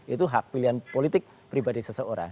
itu hak pilihan politik pribadi seseorang